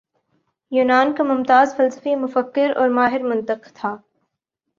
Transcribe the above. یونان کا ممتاز فلسفی مفکر اور ماہر منطق تھا